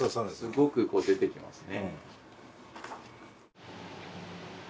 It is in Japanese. すごくこう出てきますね